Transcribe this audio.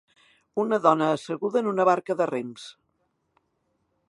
Una dona asseguda en una barca de rems.